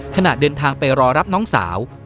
ขณะเดินทางไปรอรับน้องสาว